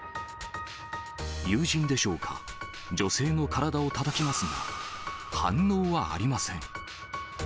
友人でしょうか、女性の体をたたきますが、反応はありません。